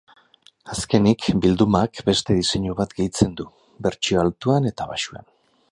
Azkenik, bildumak beste diseinu bat gehitzen du, bertsio altuan eta baxuan.